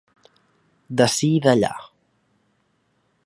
D'ací i d'allà.